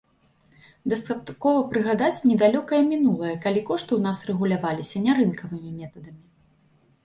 Дастаткова прыгадаць недалёкае мінулае, калі кошты ў нас рэгуляваліся нярынкавымі метадамі.